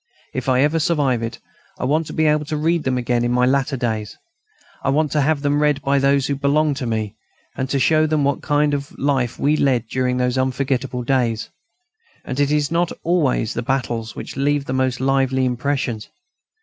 If I ever survive it, I want to be able to read them again in my latter days. I want to have them read by those who belong to me, and to try to show them what kind of life we led during those unforgettable days. And it is not always the battles which leave the most lively impressions.